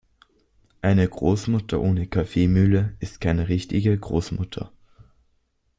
Eine Großmutter ohne Kaffeemühle ist keine richtige Großmutter.